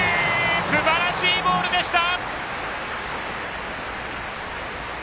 すばらしいボールでした！